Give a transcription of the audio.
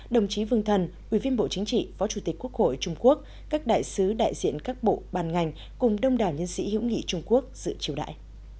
đồng chí vương thần ubnd phó chủ tịch quốc hội trung quốc các đại sứ đại diện các bộ bàn ngành cùng đông đảng nhân sĩ hữu nghị trung quốc dự chiêu đải